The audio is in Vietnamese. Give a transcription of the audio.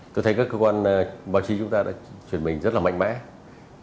tôi thấy các cơ quan báo chí chúng ta đã chuyển mình rất là mạnh mẽ